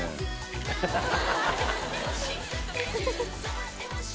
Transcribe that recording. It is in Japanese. ハハハ